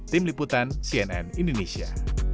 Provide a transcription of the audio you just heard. tim liputan cnn indonesia